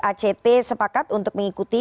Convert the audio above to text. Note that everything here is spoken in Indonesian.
act sepakat untuk mengikuti